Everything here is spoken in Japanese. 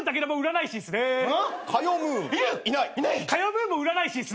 ムーンも占い師っすね。